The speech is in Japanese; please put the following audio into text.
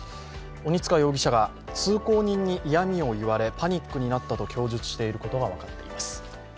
鬼束容疑者が通行人に嫌みを言われパニックになったと供述していることが分かっています。